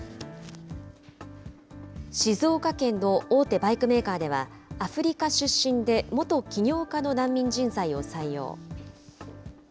静岡県の大手バイクメーカーでは、アフリカ出身で元起業家の難民人材を採用。